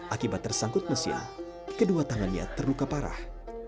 akibat tersangkut mesin kedua tangannya terluka parah